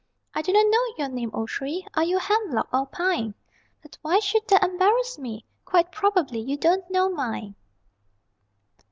I do not know your name, O tree (Are you a hemlock or a pine?) But why should that embarrass me? Quite probably you don't know mine.